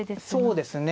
そうですね。